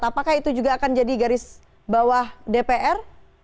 apakah itu juga akan jadi garis bawah dpr